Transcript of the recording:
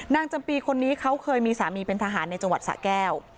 จำปีคนนี้เขาเคยมีสามีเป็นทหารในจังหวัดสะแก้ว